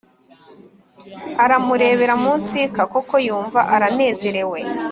aramurebera mu nsika koko yumva aranezerewe.